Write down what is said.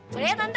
boleh ya tante